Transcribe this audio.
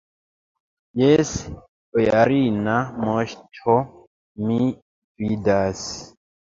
Jes, bojarina moŝto, mi vidas.